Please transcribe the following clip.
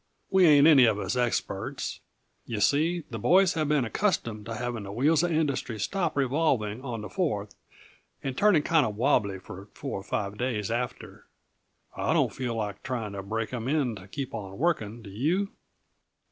We ain't any of us experts. Yuh see, the boys have been accustomed to having the wheels of industry stop revolving on the Fourth, and turning kinda wobbly for four or five days after. I don't feel like trying to break 'em in to keep on working do you?"